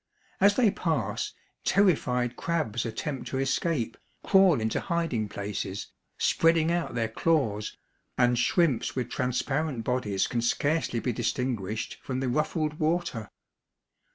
As they pass, terrified crabs attempt to escape, crawl into hiding places, spreading out their claws, and shrimps with transparent bodies can scarcely be distinguished from the ruffled water.